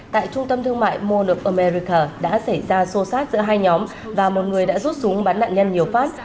tại trung tâm thương mại mall of america đã xảy ra xô xát giữa hai nhóm và một người đã rút súng bắn nạn nhân nhiều phát